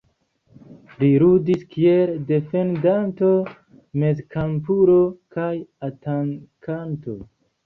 Li ludis kiel defendanto, mezkampulo kaj atakanto.